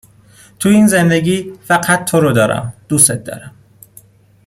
توی این زندگی فقط تو رو دارم دوست دارم.